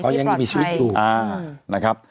อยู่ในที่ปลอดภัย